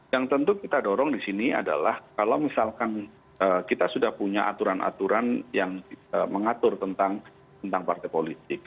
yang tentu kita dorong di sini adalah kalau misalkan kita sudah punya aturan aturan yang mengatur tentang partai politik